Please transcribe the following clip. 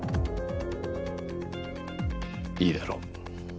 いいだろう。